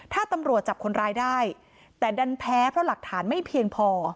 ถ้าตำรวจจับคนร้ายได้แต่ดันแพ้เพราะหลักฐานไม่เพียงพอ